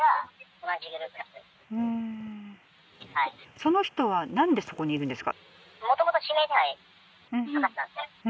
その人はなんでそこにいるんですか？